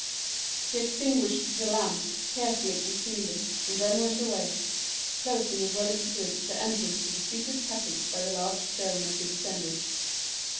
He extinguished the lamp, carefully concealed it, and then went away, closing as well as he could the entrance to the secret passage by the large stone as he descended.